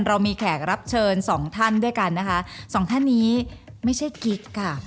เรามีแขกรับเชิญสองท่านด้วยกันนะคะสองท่านนี้ไม่ใช่กิ๊กค่ะ